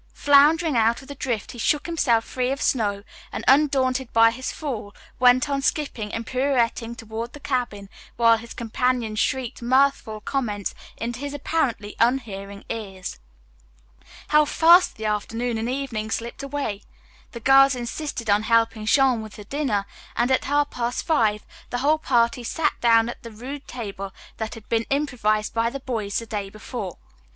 Floundering out of the drift he shook himself free of snow and, undaunted by his fall, went on skipping and pirouetting toward the cabin, while his companions shrieked mirthful comments into his apparently unhearing ears. How fast the afternoon and evening slipped away! The girls insisted on helping Jean with the dinner, and at half past five the whole party sat down at the rude table that had been improvised by the boys the day before.